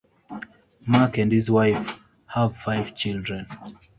Mark and his wife have five children.